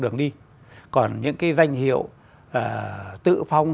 đường đi còn những cái danh hiệu tự phong